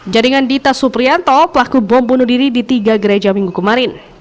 jaringan dita suprianto pelaku bom bunuh diri di tiga gereja minggu kemarin